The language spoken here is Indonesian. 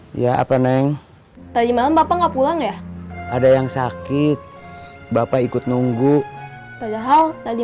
hai ya apa neng tadi malam bapak nggak pulang ya ada yang sakit bapak ikut nunggu padahal tadi